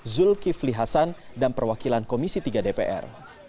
zulkifli hasan dan perwakilan komisi tiga dpr